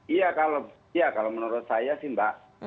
iya kalau menurut saya sih mbak